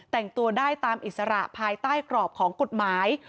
แต่งตัวได้ตามอิสระภายใต้กรอบของกฎหมาย